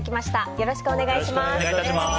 よろしくお願いします。